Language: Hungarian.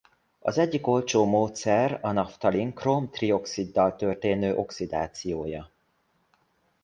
Az egyik olcsó módszer a naftalin króm-trioxiddal történő oxidációja.